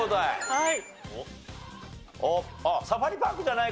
はい。